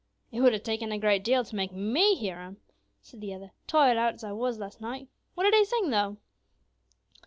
"It would have taken a great deal to make me hear him," said the other, "tired out as I was last night; what did he sing, though?"